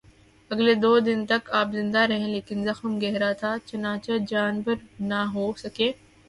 اگلے دو دن تک آپ زندہ رہے لیکن زخم گہرا تھا، چنانچہ جانبر نہ ہو سکے